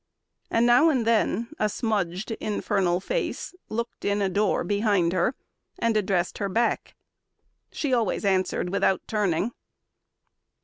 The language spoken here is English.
And now and then a smudged, infernal face Looked in a door behind her and addressed Her back. She always answered without turning.